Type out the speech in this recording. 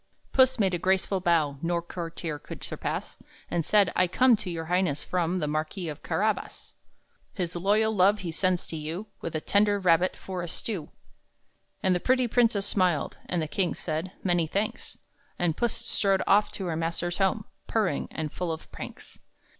Puss made a graceful bow No courtier could surpass, And said, "I come to your Highness from The Marquis of Carabas. His loyal love he sends to you, With a tender rabbit for a stew." And the pretty princess smiled, And the king said, "Many thanks." And Puss strode off to her master's home, Purring, and full of pranks.